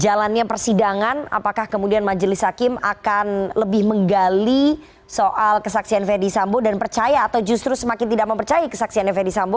jalannya persidangan apakah kemudian majelis hakim akan lebih menggali soal kesaksian verdi sambo dan percaya atau justru semakin tidak mempercayai kesaksiannya ferdisambo